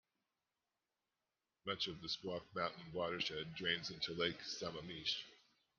Much of the Squak Mountain watershed drains into Lake Sammamish.